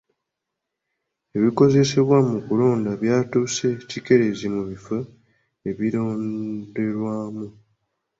Ebikozesebwa mu kulonda byatuuse kikeerezi mu bifo ebironderwamu.